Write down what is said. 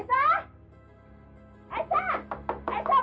saya belum habis belanja nih